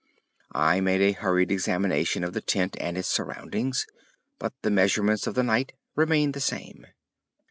I made a hurried examination of the tent and its surroundings, but the measurements of the night remained the same.